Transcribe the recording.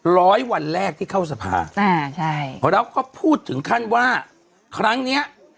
ร้อยวันแรกที่เข้าสภาอ่าใช่แล้วก็พูดถึงขั้นว่าครั้งเนี้ย